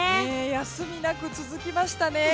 休みなく続きましたね。